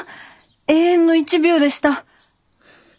永遠の１秒でした。